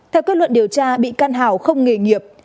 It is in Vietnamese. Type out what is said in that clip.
theo kết luận điều tra bị can hảo không nghề nghiệp